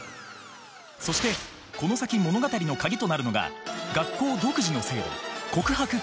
そしてこの先物語の鍵となるのが学校独自の制度「告白カード」。